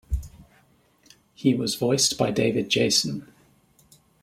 He was voiced by David Jason.